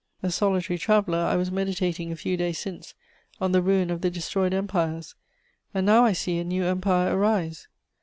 A solitary traveller, I was meditating a few days since on the ruin of the destroyed empires: and now I see a new empire arise.